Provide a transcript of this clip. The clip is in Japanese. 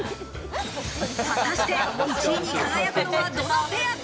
果たして１位に輝くのはどのペアか？